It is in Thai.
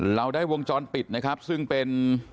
เราได้วงจรปิดนะครับซึ่งเป็น